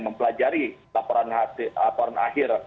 mempelajari laporan akhir